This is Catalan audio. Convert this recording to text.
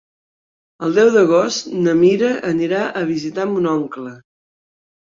El deu d'agost na Mira anirà a visitar mon oncle.